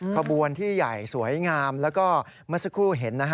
ขบวนที่ใหญ่สวยงามแล้วก็เมื่อสักครู่เห็นนะฮะ